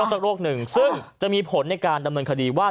สักโรคหนึ่งซึ่งจะมีผลในการดำเนินคดีว่า